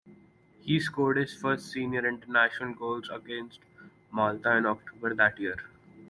He scored his first senior international goals against Malta in October that year.